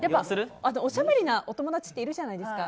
おしゃべりなお友達っているじゃないですか。